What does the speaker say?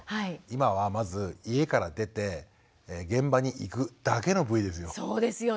今はまず家から出て現場に行くだけのＶですよ。